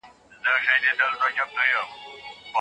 حکومتونه ملتونه په وړو شیانو بوخت ساتي.